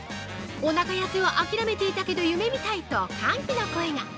「おなか痩せは諦めていたけど夢みたい！」と歓喜の声が。